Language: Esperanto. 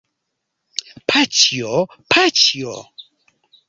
Paĉjo, paĉjo!